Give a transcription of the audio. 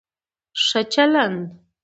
ښه چلند